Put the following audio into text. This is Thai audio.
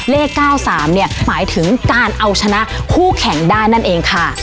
เลข๙๓เนี่ยหมายถึงการเอาชนะคู่แข่งได้นั่นเองค่ะ